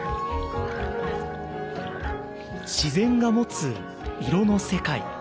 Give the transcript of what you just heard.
自然が持つ色の世界。